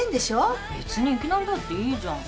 別にいきなりだっていいじゃん。